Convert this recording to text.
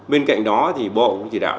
bên cạnh đó thì bộ chỉ đạo